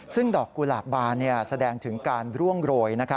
ซึ่งดอกกุหลาบบานแสดงถึงการร่วงโรย